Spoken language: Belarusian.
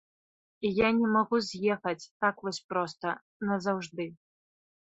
І я не магу з'ехаць так вось проста назаўжды.